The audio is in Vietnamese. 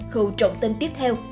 khẩu trọng tên tiếp theo